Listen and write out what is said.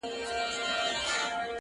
یو گوزار يې ورته ورکړ ناگهانه.!